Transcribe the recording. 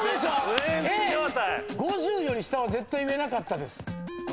５０より下は絶対言えなかったです。